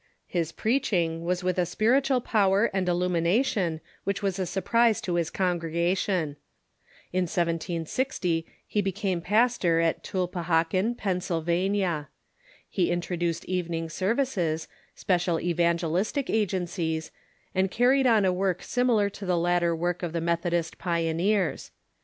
His preaching was with a spiritual power and illumination which Avas a surprise to his congregation. In 1760 he became pastor at Tulpehocken, Pennsylvania. He introduced evening services, special evan gelistic agencies, and carried on a work similar to the later work of the Methodist pioneers.